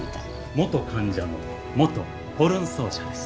元患者の元ホルン奏者です。